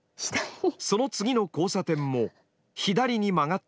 その次の交差点も左に曲がった